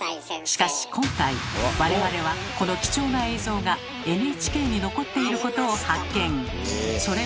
しかし今回我々はこの貴重な映像がＮＨＫに残っていることを発見。